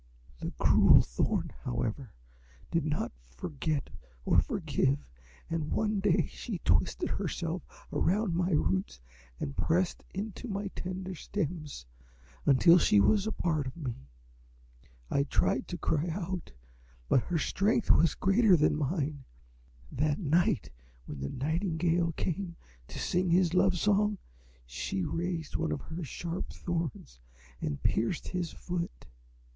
"The cruel Thorn, however, did not forget or forgive, and one day she twined herself around my roots and pressed into my tender stems until she was a part of me. I tried to cry out, but her strength was greater than mine. That night, when the nightingale came to sing his love song, she raised one of her sharp thorns and pierced his foot.